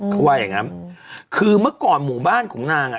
เขาว่าอย่างงั้นคือเมื่อก่อนหมู่บ้านของนางอ่ะ